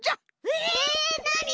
えなに？